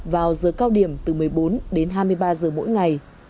vào giờ cao điểm từ một mươi bốn đến hai mươi ba giờ mỗi ngày